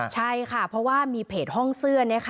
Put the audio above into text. ใช่ค่ะเพราะว่ามีเพจห้องเสื้อ